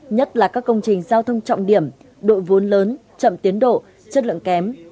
nhất là các công trình giao thông trọng điểm đội vốn lớn chậm tiến độ chất lượng kém